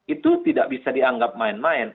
itu tidak bisa dianggap main main